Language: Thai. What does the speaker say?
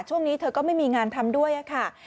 ช่วงนี้เธอก็ไม่มีงานทำด้วยค่ะ